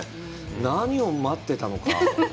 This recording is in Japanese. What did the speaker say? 何を待ってたのか。